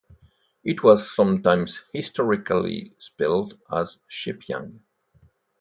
It was sometimes historically spelled as Chepying.